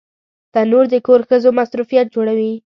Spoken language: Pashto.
تنور د کور ښځو مصروفیت جوړوي